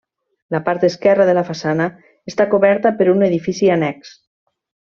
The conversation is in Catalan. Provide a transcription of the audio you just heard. La part esquerra de la façana està coberta per un edifici annex.